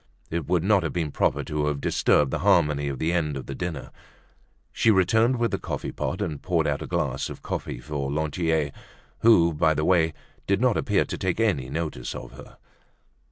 It would not have been proper to have disturbed the harmony of the end of the dinner. She returned with the coffee pot and poured out a glass of coffee for Lantier, who, by the way, did not appear to take any notice of her.